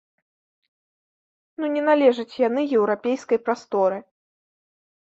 Ну не належаць яны еўрапейскай прасторы.